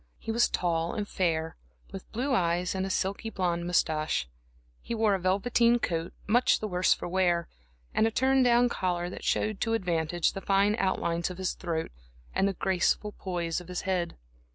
He was tall and fair, with blue eyes and a silky blonde moustache, and he wore a velveteen coat, much the worse for wear, and a turn down collar that showed to advantage the fine outlines of his throat and the graceful poise of his head.